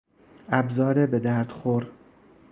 ابزار به درد خور